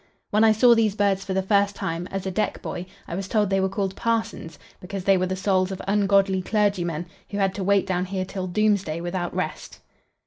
When I saw these birds for the first time, as a deck boy, I was told they were called parsons, because they were the souls of ungodly clergymen, who had to wait down here till doomsday without rest.